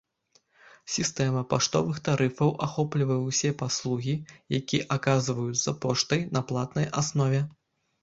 Сістэма паштовых тарыфаў ахоплівае ўсе паслугі, які аказваюцца поштай на платнай аснове.